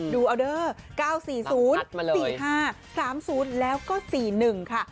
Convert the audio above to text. ดูเอาเด้อ๙๔๐๔๕๓๐แล้วก็๔๑ค่ะ